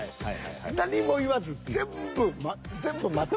何も言わず全部全部待って。